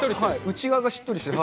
内側がしっとりしてる。